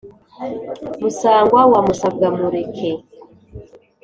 musangwa wa musabwa mureke,